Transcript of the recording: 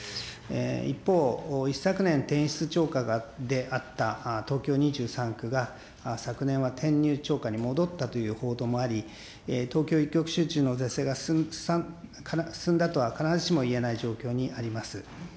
一方、一昨年、転出超過であった東京２３区が、昨年は転入超過に戻ったという報道もあり、東京一極集中の是正が進んだとは必ずしも言えない状況にあります。